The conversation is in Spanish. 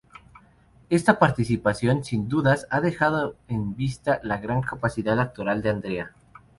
Esta participación, sin dudas, ha dejado en vista la gran capacidad actoral de Andrea.